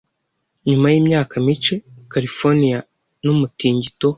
Nyuma yimyaka mike Californiya numutingito